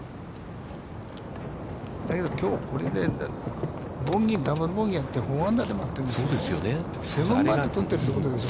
だけど、きょうこれでボギー、ダブル・ボギーがなくて、４アンダーで回ってるんですよ。